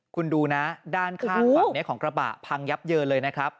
คุณดูนะด้านข้างฝั่งนี้ของกระบะพังยับเยินเลยนะครับ